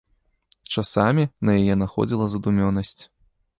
Часамі на яе находзіла задумёнасць.